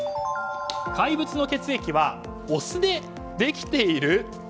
怪物の血液はお酢でできている？